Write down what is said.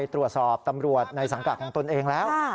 ตรวจสอบตำรวจในสังกราศของตนเองแล้ว